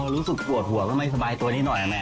อ๋อรู้สึกหัวว่าไม่สบายตัวนี้หน่อยนะแม่